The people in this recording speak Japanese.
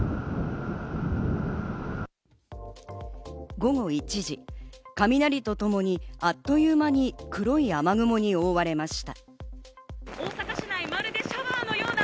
午後１時、雷とともにあっという間に黒い雨雲に覆われました。